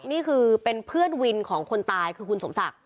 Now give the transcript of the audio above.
นี่คือเป็นเพื่อนวินของคนตายคือคุณสมศักดิ